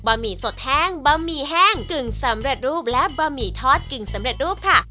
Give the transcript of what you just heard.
หมี่สดแห้งบะหมี่แห้งกึ่งสำเร็จรูปและบะหมี่ทอดกึ่งสำเร็จรูปค่ะ